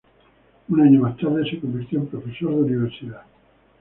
Un año más tarde, se convirtió en profesor de universidad.